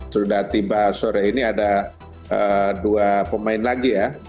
sudah tiba sore ini ada dua pemain lagi ya